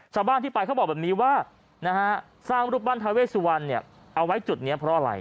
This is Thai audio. ชาวบ้านที่ไปเขาบอกแบบนี้ว่านะฮะสร้างรูปปั้นทาเวสุวรรณเนี่ยเอาไว้จุดนี้เพราะอะไร